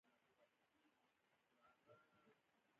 او دا موږ پر عقلاني ارزښتونو ولاړ وي.